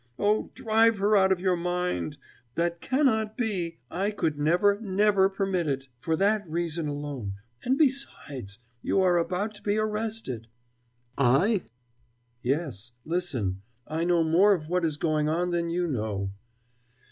Oh, drive her out of your mind! That cannot be I could never, never permit it! For that reason alone and besides, you are about to be arrested " "I!" "Yes: listen I know more of what is going on than you know.